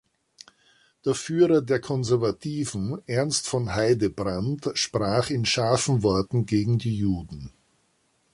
Der Führer der Konservativen, Ernst von Heydebrand, sprach in scharfen Worten gegen die Juden.